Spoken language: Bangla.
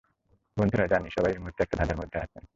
বন্ধুরা, জানি সবাই এই মুহূর্তে একটা ধাঁধার মধ্যে আছেন!